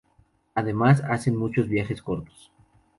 Además se hacen muchos viajes cortos.